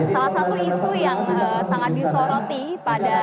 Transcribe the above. salah satu isu yang sangat disoroti pada